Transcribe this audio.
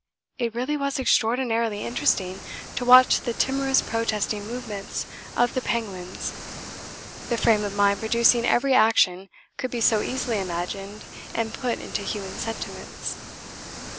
It really was extraordinarily interesting to watch the timorous protesting movements of the penguins. The frame of mind producing every action could be so easily imagined and put into human sentiments.